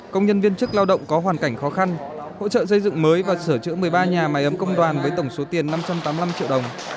công nhân viên chức lao động có hoàn cảnh khó khăn hỗ trợ xây dựng mới và sửa chữa một mươi ba nhà máy ấm công đoàn với tổng số tiền năm trăm tám mươi năm triệu đồng